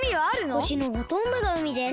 ほしのほとんどがうみです。